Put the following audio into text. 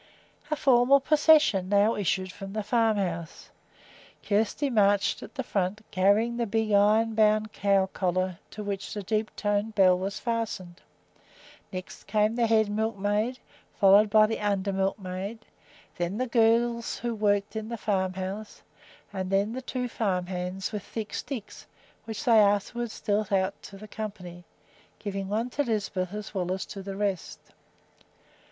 A formal procession now issued from the farmhouse. Kjersti marched at the front, carrying the big iron bound cow collar to which the deep toned bell was fastened; next came the head milkmaid, followed by the under milkmaid; then the girls who worked in the farmhouse; and then the two farm hands, with thick sticks, which they afterwards dealt out to the company, giving one to Lisbeth as well as to the rest.